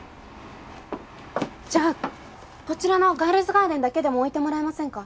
じゃあこちらの『ガールズガーデン』だけでも置いてもらえませんか？